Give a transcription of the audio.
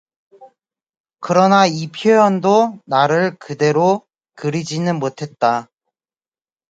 그러나 이 표현도 나를 그대로 그리지는 못했다.